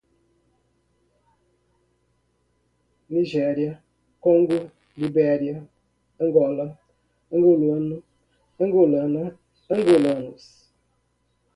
Nigéria, Congo, Libéria, Angola, angolano, angolana, angolanos